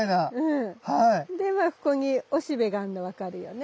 でまあここにおしべがあんの分かるよね。